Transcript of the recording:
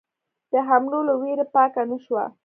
د حملو له وېرې پاکه نه شوه.